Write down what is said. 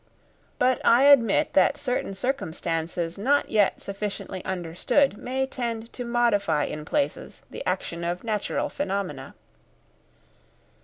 But I admit that certain circumstances not yet sufficiently understood may tend to modify in places the action of natural phenomena.